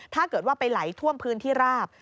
ถ้าเกิดว่าไปไหลท่วมพื้นที่ราบ